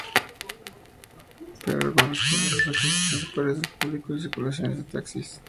Perón, corresponde a los accesos principales del público y circulaciones de taxis.